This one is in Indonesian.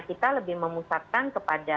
kita lebih memusatkan kepada